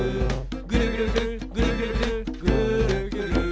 「ぐるぐるぐるぐるぐるぐるぐーるぐる」